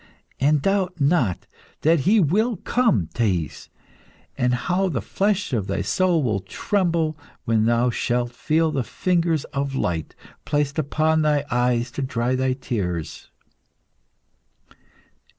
And doubt not that He will come, Thais, and how the flesh of thy soul will tremble when thou shalt feel the fingers of Light placed upon thy eyes to dry thy tears!"